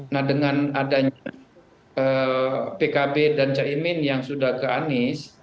nah dengan adanya pkb dan caimin yang sudah keanis